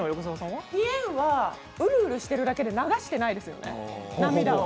ぴえんはうるうるしているだけで流していないですよね涙を。